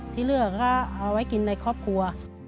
ที่เหลือก็เอาไว้กินในครอบครัว